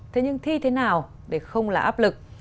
thế nhưng thi thế nào để không là áp lực